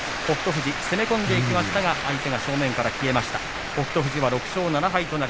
富士攻めていきましたけども相手が正面から消えました。